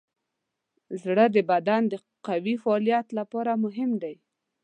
زړه د بدن د قوي فعالیت لپاره مهم دی.